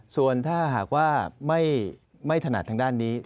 ส่วนถ้าหากว่าไม่ถนัดทางด้านนี้